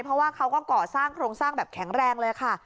เพราะว่าเขาก็ก่อสร้างโครงสร้างแบบแข็งแรงเลยค่ะ